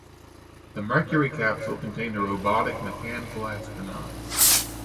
The Mercury capsule contained a robotic "mechanical astronaut".